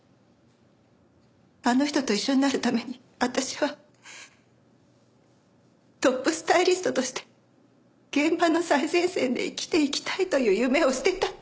あの人と一緒になるために私はトップスタイリストとして現場の最前線で生きていきたいという夢を捨てた。